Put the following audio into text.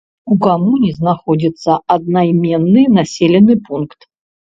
У камуне знаходзіцца аднайменны населены пункт.